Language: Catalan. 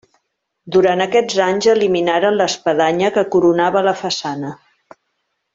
Durant aquests anys eliminaren l'espadanya que coronava la façana.